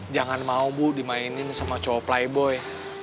jangan mau bu dimainin sama cowok playboy